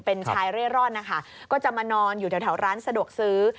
เป็นชายเร่ร่อนนะคะก็จะมานอนอยู่แถวร้านสะดวกซื้อ